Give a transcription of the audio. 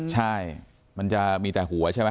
ใช่มันจะมีแต่หัวใช่ไหม